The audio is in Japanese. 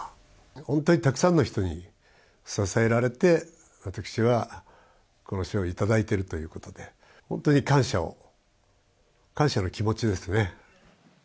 本当にたくさんの人に支えられて、私はこの章を頂いているということで、本当に感謝を、感謝の気持ちですね。